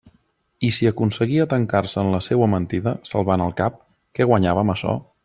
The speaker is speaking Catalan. I si aconseguia tancar-se en la seua mentida, salvant el cap, què guanyava amb açò?